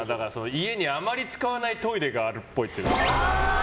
家にあまり使わないトイレがあるっぽい。